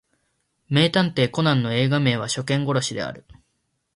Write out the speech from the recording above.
名探偵コナンの映画名は初見殺しである